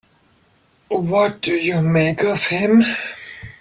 What do you make of him?